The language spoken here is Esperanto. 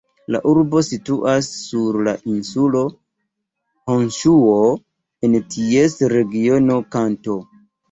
La urbo situas sur la insulo Honŝuo, en ties regiono Kanto.